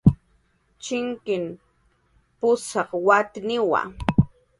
Chinkin pusaq watniwa